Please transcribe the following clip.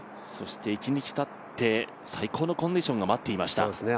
１日たって最高のコンディションが待っていました。